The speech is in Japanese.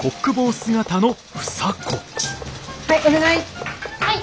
はいお願い。